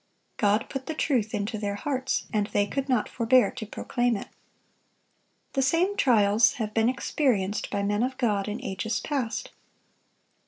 God put the truth into their hearts, and they could not forbear to proclaim it. The same trials have been experienced by men of God in ages past.